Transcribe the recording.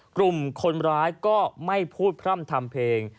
กลุ่มคนร้ายก็ไม่พูดพร่ำทำเพลง